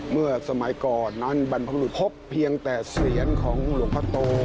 เมื่อสมัยก่อนนั้นบรรพบรุษพบเพียงแต่เสียงของหลวงพ่อโต